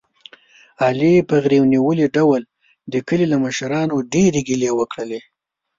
علي په غرېو نیولي ډول د کلي له مشرانو ډېرې ګیلې وکړلې.